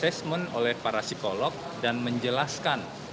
yang di asesmen oleh para psikolog dan menjelaskan